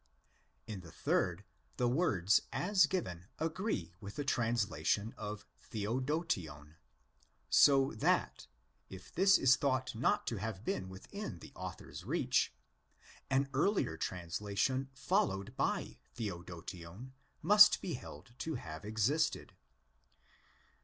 In the third, the words as given agree with the translation of Theodotion, so that, if this is thought not to have been within the author's reach, an earlier translation followed by Theodotion must be held to have existed.